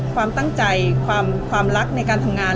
ความตั้งใจความลับมาทางงานและ๑๙๕๕ประหลาดความรับมาทางลักทธุ์